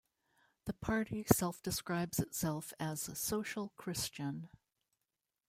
The party self-describes itself as "social Christian".